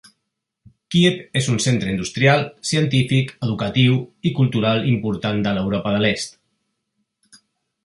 Kíev és un centre industrial, científic, educatiu i cultural important de l'Europa de l'Est.